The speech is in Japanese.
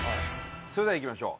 それではいきましょう